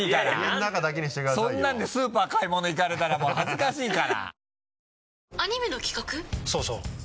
そんなのでスーパー買い物行かれたらもう恥ずかしいから。